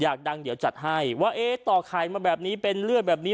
อยากดังเดี๋ยวจัดให้ว่าเอ๊ะต่อไข่มาแบบนี้เป็นเลือดแบบนี้